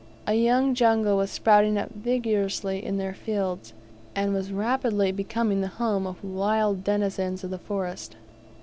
A young jungle was sprouting up vigorously in their fields, and was rapidly becoming the home of wild denizens of the forest.